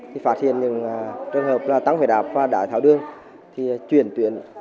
thì phát hiện những trường hợp là tăng huyết áp và đại tháo đường thì chuyển tuyển